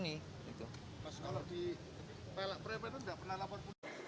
mas kalau di preve itu gak pernah lapor pun